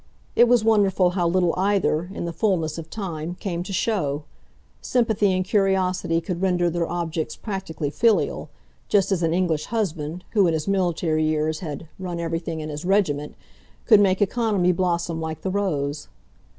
It was wonderful how little either, in the fulness of time, came to show; sympathy and curiosity could render their objects practically filial, just as an English husband who in his military years had "run" everything in his regiment could make economy blossom like the rose.